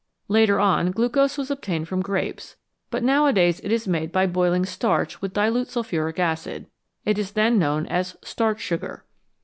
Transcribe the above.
Later on, glucose was obtained from grapes, but nowadays it is made by boiling starch with dilute sulphuric acid ; it is then known as " starch sugar."